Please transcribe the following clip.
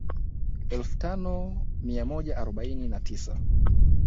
Elfu tano mai moja arobaini na tisa